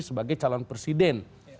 sebagai calon presiden